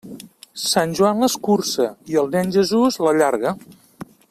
Sant Joan l'escurça i el Nen Jesús l'allarga.